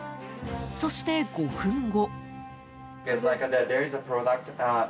そして、５分後。